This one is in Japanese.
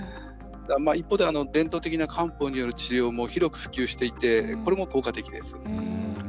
一方で伝統的な漢方による治療も広く普及していてこれも効果的です。